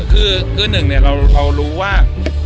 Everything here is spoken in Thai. คือหนึ่งเรารู้ว่า